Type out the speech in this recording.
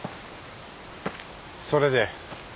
それで？